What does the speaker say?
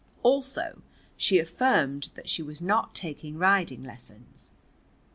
Also she affirmed that she was not taking riding lessons.